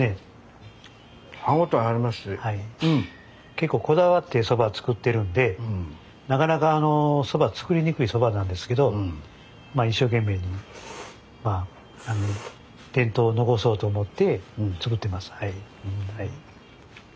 結構こだわってそば作ってるんでなかなかそば作りにくいそばなんですけど一生懸命に伝統を残そうと思って作ってます。